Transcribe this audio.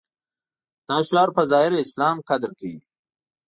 دا شعار په ظاهره اسلام قدر کوي.